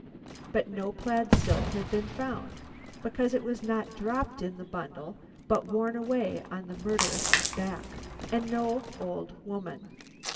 But no plaid silk had been found (because it was not dropped in the bundle, but worn away on the murderess's back), and no old woman.